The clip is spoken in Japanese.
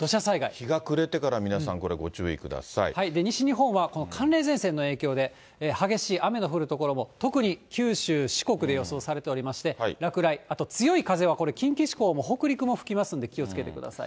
日が暮れてから皆さん、これ、西日本はこの寒冷前線の影響で、激しい雨の降る所も、特に九州、四国で予想されておりまして、落雷、あと強い風はこれ、近畿地方も北陸も吹きますので、気をつけてください。